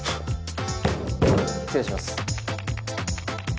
失礼します。